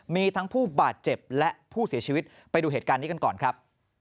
มีทั้งผู้บาดเจ็บและผู้เสียชีวิตไปดูเหตุการณ์นี้กันก่อนครับ